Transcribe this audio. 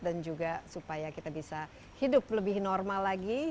dan juga supaya kita bisa hidup lebih normal lagi